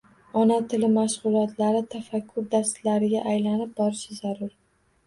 Ona tili mashgʻulotlari tafakkur darslariga aylanib borishi zarur